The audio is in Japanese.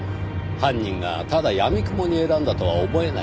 犯人がただやみくもに選んだとは思えないんですよ。